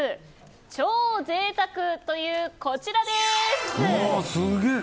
超ぜいたくという、こちらです。